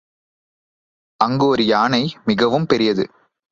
அங்கும் ஒரு யானை, மிகவும் பெரியது.